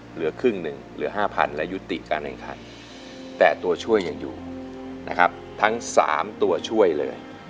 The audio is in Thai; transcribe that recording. เหลือครึ่งหนึ่งเหลือ๕๐๐๐และยุติการแข่งขันแต่ตัวช่วยยังอยู่นะครับทั้ง๓ตัวช่วยเลย